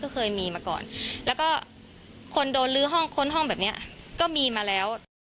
ก็เคยมีมาก่อนแล้วก็คนโดนลื้อห้องค้นห้องแบบนี้ก็มีมาแล้ว